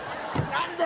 何で！？